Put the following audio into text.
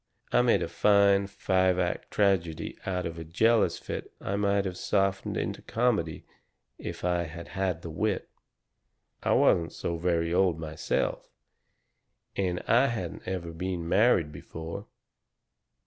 I made a fine, five act tragedy out of a jealous fit I might have softened into comedy if I had had the wit. "I wasn't so very old myself, and I hadn't ever been married before.